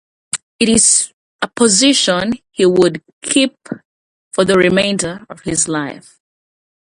It is a position he would keep for the remainder of his life.